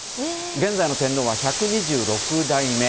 現在の天皇は１２６代目。